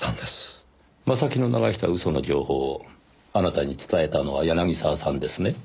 正木の流した嘘の情報をあなたに伝えたのは柳沢さんですね？